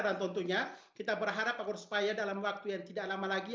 dan tentunya kita berharap agar supaya dalam waktu yang tidak lama lagi